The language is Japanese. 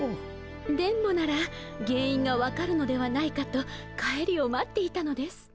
電ボなら原因が分かるのではないかと帰りを待っていたのです。